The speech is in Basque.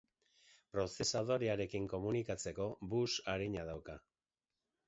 Prozesadorearekin komunikatzeko bus arina dauka.